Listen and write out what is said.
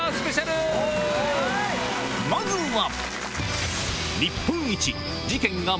まずは！